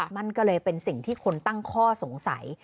มันก็เลยเป็นสิ่งที่คนตั้งข้อสงสัย